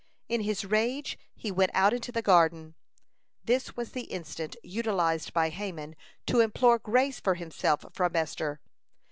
In his rage he went out into the garden. This was the instant utilized by Haman to implore grace for himself from Esther.